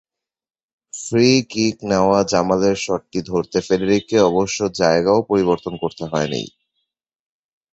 Free kick থেকে নেওয়া জামালের শটটি ধরতে ফেডেরিককে অবশ্য জায়গাও পরিবর্তন করতে হয়নি।